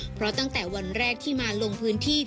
เพราะตั้งแต่วันแรกที่มาลงพื้นที่